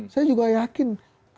saya juga yakin